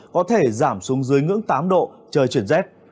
có thể giảm xuống dưới ngưỡng tám độ trời chuyển rét